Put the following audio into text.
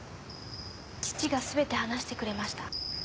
父がすべて話してくれました。